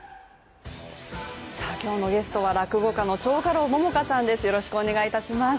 今日のゲストは落語家の蝶花楼桃花さんです。